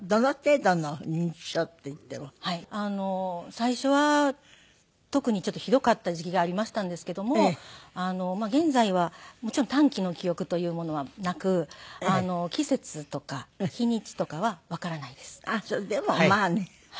最初は特にちょっとひどかった時期がありましたんですけども現在はもちろん短期の記憶というものはなく季節とか日にちとかはわからないです。